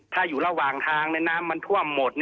ถ้าอยู่ระหว่างทางในน้ำมันท่วมหมด